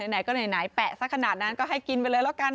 ไหนก็ไหนแปะสักขนาดนั้นก็ให้กินไปเลยแล้วกัน